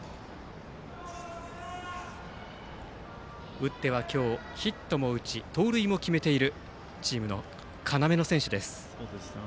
打っては今日、ヒットも打ち盗塁も決めているチームの要の選手です。